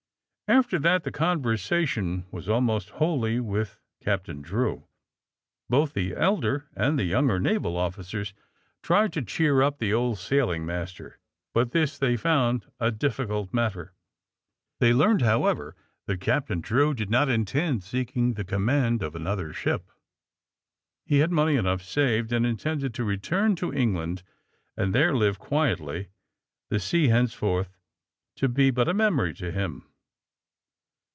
After that the conversation was almost wholly with Captain Drew. Both the elder and the younger naval officers tried to cheer up the old sailing master, but this they found a difficult matter. They learned, however, that Captain Drew did not intend seeking the command of another ship. He had money enough saved, and intended to return to England and there live quietly, the sea, henceforth, to be but a memory to him.